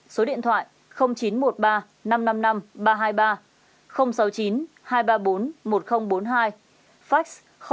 số điện thoại chín trăm một mươi ba năm trăm năm mươi năm ba trăm hai mươi ba sáu mươi chín hai trăm ba mươi bốn một nghìn bốn mươi hai fax sáu mươi chín hai trăm ba mươi bốn một nghìn bốn mươi bốn